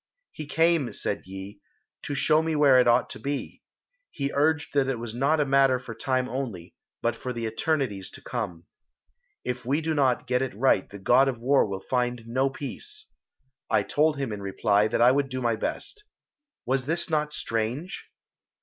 "He came," said Yi, "to show me where it ought to be. He urged that it was not a matter for time only, but for the eternities to come. If we do not get it right the God of War will find no peace. I told him in reply that I would do my best. Was this not strange?"